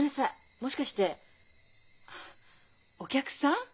もしかしてお客さん？